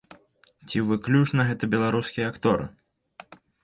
Ці выключна гэта беларускія акторы?